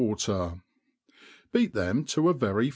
3^ rofe*water; beat them to a very